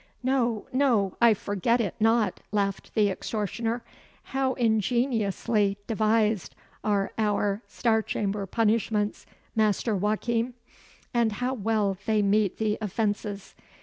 "No, no; I forget it not," laughed the extortioner. "How ingeniously devised are our Star Chamber punishments, Master Joachim, and how well they meet the offences.